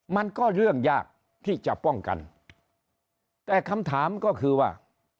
มันก็เรื่องยากที่จะป้องกันแต่คำถามก็คือว่า